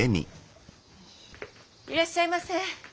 いらっしゃいませ。